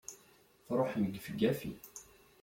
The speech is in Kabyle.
Truḥem gefgafi!